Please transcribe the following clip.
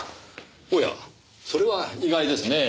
おやそれは意外ですねぇ。